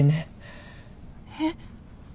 えっ？